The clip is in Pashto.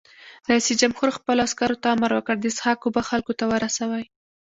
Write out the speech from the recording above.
رئیس جمهور خپلو عسکرو ته امر وکړ؛ د څښاک اوبه خلکو ته ورسوئ!